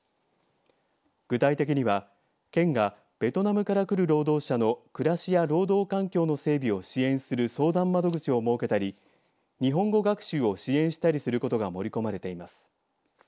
具体的には、県がベトナムからくる労働者の暮らしや労働環境の整備を支援する相談窓口を設けたり日本語学習を支援したりすることが盛り込まれています。